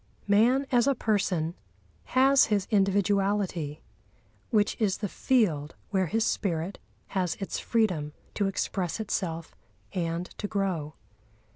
Man as a person has his individuality, which is the field where his spirit has its freedom to express itself and to grow.